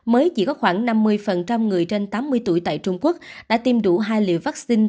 mới chỉ có khoảng năm mươi người trên tám mươi tuổi tại trung quốc đã tiêm đủ hai liều vaccine